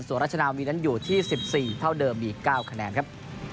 ส่วนราชนาวีนั้นอยู่ที่๑๔เท่าเดิมมี๙คะแนนครับ